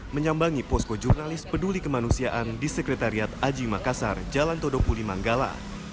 menyambangi posko jurnalis peduli kemanusiaan di sekretariat aji makassar jalan todopuli manggala